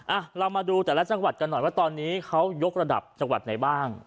อ่ะเรามาดูแต่ละจังหวัดกันหน่อยว่าตอนนี้เขายกระดับจังหวัดไหนบ้าง